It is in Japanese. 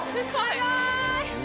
すごい！